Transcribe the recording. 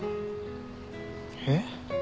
えっ？